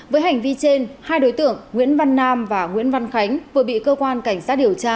với hành vi trên hai đối tượng nguyễn văn nam và nguyễn văn khánh vừa bị cơ quan cảnh sát điều tra